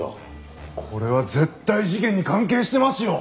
これは絶対事件に関係してますよ！